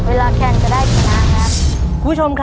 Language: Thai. เยี่ยม